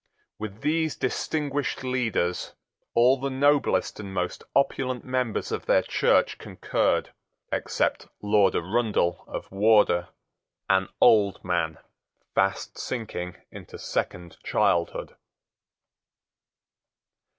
With these distinguished leaders all the noblest and most opulent members of their church concurred, except Lord Arundell of Wardour, an old man fast sinking into second childhood.